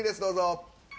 どうぞ！